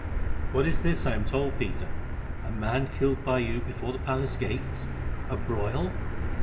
"What is this I am told, Peter? A man killed by you before the palace gates? A broil!